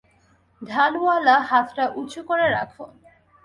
ঢাল-ওয়ালা হাতটা উঁচু করে রাখো।